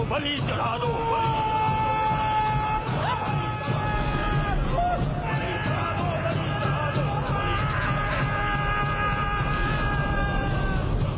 あっ‼